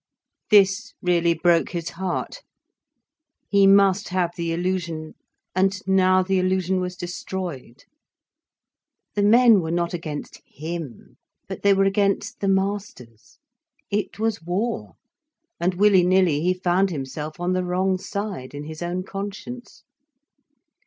This really broke his heart. He must have the illusion and now the illusion was destroyed. The men were not against him, but they were against the masters. It was war, and willy nilly he found himself on the wrong side, in his own conscience.